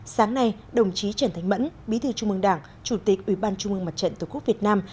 sáng nay đồng chí trần thánh mẫn bí thư trung mương đảng chủ tịch ủy ban trung ương mặt trận tổ quốc việt nam